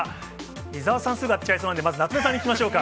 伊沢さん、すぐ当てちゃいそうなんで、まず夏目さんに聞きましょうか。